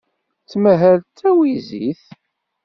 Tettmahal d tawizit.